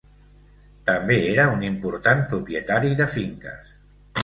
També era un important propietari de finques.